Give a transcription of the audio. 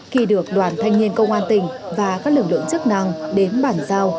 khi được đoàn thanh niên công an tỉnh và các lực lượng chức năng đến bản giao